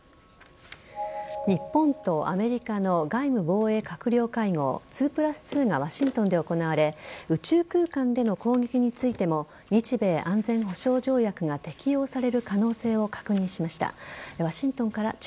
日本とアメリカの外務防衛閣僚会合２プラス２がワシントンで行われ宇宙空間での攻撃についても日米安全保障条約が適用される可能性を確認しました。